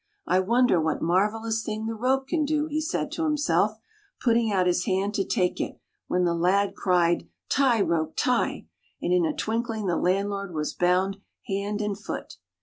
" I wonder what marvelous thing the rope can do," he said to himself, putting out his hand to take it, when the lad cried, " Tie, rope, tie," and in a twinkling the landlord was bound hand and foot.